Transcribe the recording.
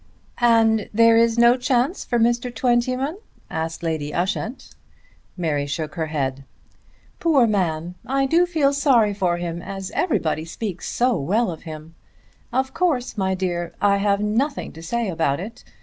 "And there is no chance for Mr. Twentyman?" asked Lady Ushant. Mary shook her head. "Poor man! I do feel sorry for him as everybody speaks so well of him. Of course, my dear, I have nothing to say about it.